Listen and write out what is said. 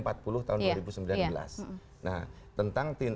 nah tentang tindak lanjut dari menteri